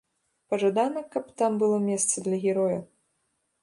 Пажадана, каб там было месца для героя.